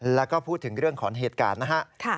แล้วก็พูดถึงเรื่องของเหตุการณ์นะฮะ